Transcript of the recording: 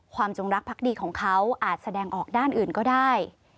จงรักพักดีของเขาอาจแสดงออกด้านอื่นก็ได้